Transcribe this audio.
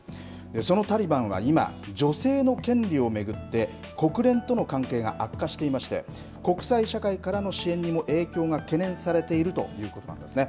そのタリバンは今、女性の権利を巡って、国連との関係が悪化していまして、国際社会からの支援にも影響が懸念されているということなんですね。